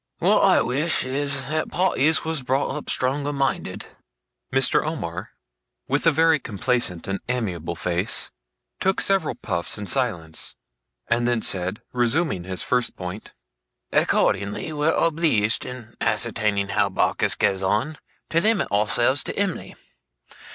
What I wish is, that parties was brought up stronger minded.' Mr. Omer, with a very complacent and amiable face, took several puffs in silence; and then said, resuming his first point: 'Accordingly we're obleeged, in ascertaining how Barkis goes on, to limit ourselves to Em'ly.